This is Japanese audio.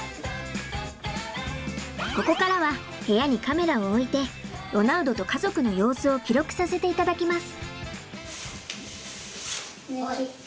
ここからは部屋にカメラを置いてロナウドと家族の様子を記録させていただきます。